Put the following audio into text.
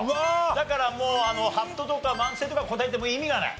だからハットとか慢性とか答えても意味がない。